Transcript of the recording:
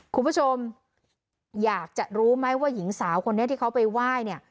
คุณผู้ชมอยากจะรู้ไหมว่าหญิงสาวคนนี้ที่เขาไปไหว้เนี่ย